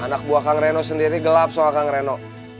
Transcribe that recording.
anak buah kang renom sendiri gelap soal kang renom